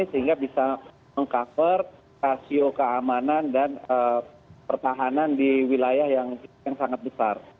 sehingga bisa meng cover rasio keamanan dan pertahanan di wilayah yang sangat besar